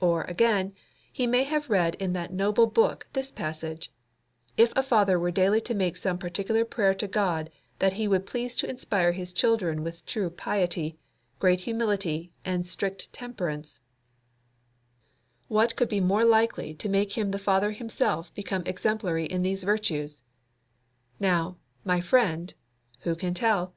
Or, again, he may have read in that noble book this passage: "If a father were daily to make some particular prayer to God that He would please to inspire his children with true piety, great humility, and strict temperance, what could be more likely to make the father himself become exemplary in these virtues?" Now, my friend (who can tell?)